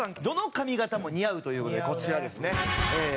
どの髪形も似合うという事でこちらですね。